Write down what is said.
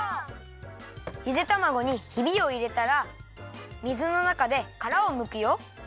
ゆでたまごにヒビをいれたら水のなかでからをむくよ。